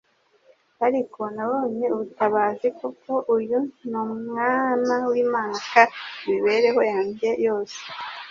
ariko nabonye ubutabazi. Koko uyu ni Umwana w'Imana kandi imibereho yanjye yose